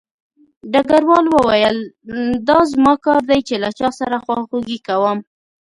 ډګروال وویل دا زما کار دی چې له چا سره خواخوږي کوم